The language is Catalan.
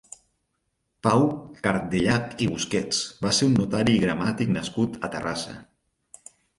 Pau Cardellach i Busquets va ser un notari i gramàtic nascut a Terrassa.